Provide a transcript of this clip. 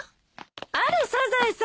あらサザエさん！